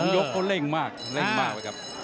ยกเขาเร่งมากเร่งมากเลยครับ